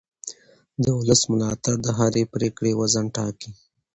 د ولس ملاتړ د هرې پرېکړې وزن ټاکي